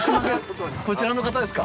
こちらの方ですか？